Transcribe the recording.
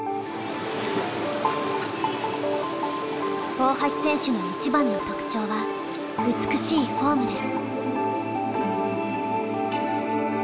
大橋選手の一番の特徴は美しいフォームです。